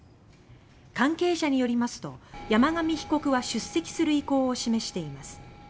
関係者によりますと山上被告は出席する意向を示しています。